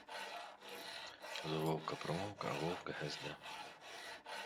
За вовка промовка, а вовк гезде.